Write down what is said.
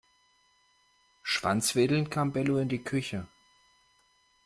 Schwanzwedelnd kam Bello in die Küche.